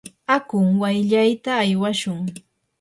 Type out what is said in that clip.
aku wayllayta aywashun.